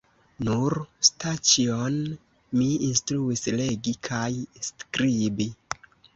Nur Staĉjon mi instruis legi kaj skribi.